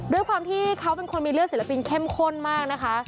ด้วยความที่เขาเป็นคนมีเลือดศิลปินเข้มข้นมากนะคะ